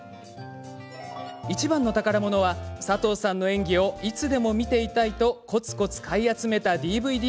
いちばんの宝物は佐藤さんの演技をいつでも見ていたいとこつこつ買い集めたＤＶＤ。